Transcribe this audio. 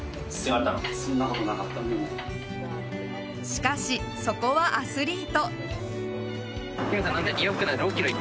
しかし、そこはアスリート。